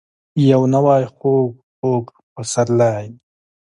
یو نوی خوږ. خوږ پسرلی ،